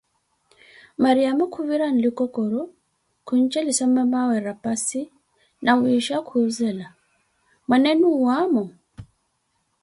Mariamo khuvira nlikokoroh khuntxelissa mamawe rapassi, nawisha kumuhʼzela: mwaneenu owaamo?